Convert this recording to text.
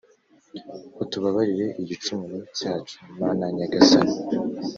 utubabarire igicumuro cyacu mana nyagasani